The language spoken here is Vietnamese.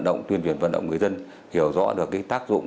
để tuyên truyền vận động người dân hiểu rõ được tác dụng